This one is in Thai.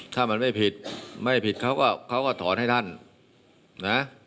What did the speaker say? ถ้ามันไม่ผิดไม่ผิดเขาก็เขาก็ถอนให้ท่านนะ